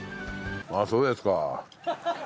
ああそうですか。